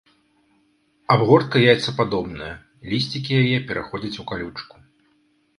Абгортка яйцападобная, лісцікі яе пераходзяць у калючку.